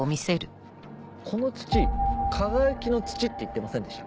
この土「かがやきの土」って言ってませんでした？